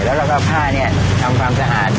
ละลายแล้วก็ผ้าเนี่ยทำความสะอาด